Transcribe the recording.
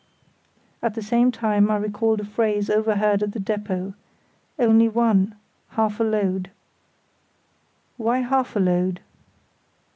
At the same time I recalled a phrase overheard at the depôt, "Only one—half a load." Why half a load?